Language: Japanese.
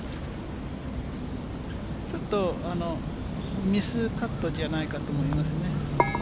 ちょっとミスカットじゃないかと思いますね。